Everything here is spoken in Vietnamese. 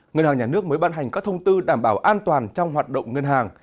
ngân hàng nhà nước mới ban hành các thông tư đảm bảo an toàn trong hoạt động ngân hàng